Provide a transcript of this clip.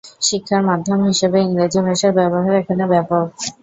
শিক্ষার মাধ্যম হিসাবে ইংরেজি ভাষার ব্যবহার এখানে ব্যাপক।